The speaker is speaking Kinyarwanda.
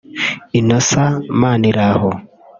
Innocent Maniraho